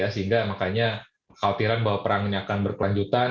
sehingga makanya khawatiran bahwa perang ini akan berkelanjutan